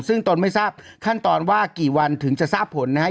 ซึ่งตนไม่ทราบขั้นตอนว่ากี่วันถึงจะทราบผลนะครับ